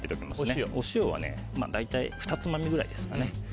お塩は大体ふたつまみくらいですね。